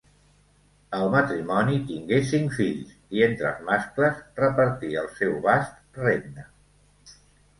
El matrimoni tingué cinc fills, i entre els mascles repartí el seu vast regne.